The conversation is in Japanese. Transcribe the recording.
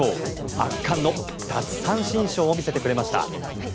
圧巻の奪三振ショーを見せてくれました。